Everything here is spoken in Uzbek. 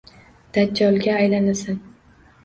Dajjolga aylanasan